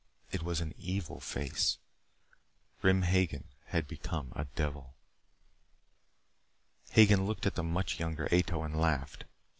It was an evil face. Grim Hagen had become a devil. Hagen looked at the much younger Ato and laughed.